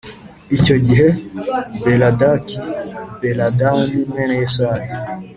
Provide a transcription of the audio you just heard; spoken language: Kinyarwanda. Icyo gihe Berodaki Baladani mwene yesaya